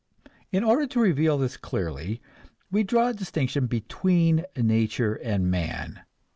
In order to reveal this clearly, we draw a distinction between nature and man.